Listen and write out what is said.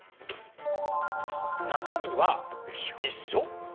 中身は一緒？